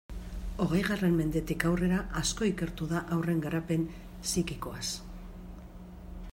Hogeigarren mendetik aurrera asko ikertu da haurren garapen psikikoaz.